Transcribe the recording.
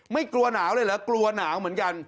ไม่กลัวหนาวเลยเหรอกลัวหนาวเหมือนกัน